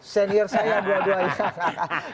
senior saya dua duanya